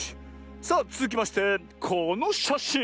さあつづきましてこのしゃしん。